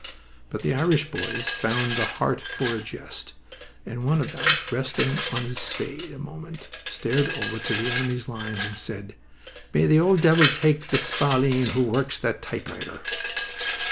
But the Irish boys found the heart for a jest, and one of them, resting on his spade a moment, stared over to the enemy's lines and said, "May the old devil take the spalpeen who works that typewriter!"